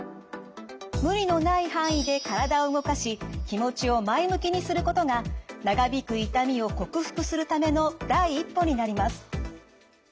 無理のない範囲で体を動かし気持ちを前向きにすることが長引く痛みを克服するための第一歩になります。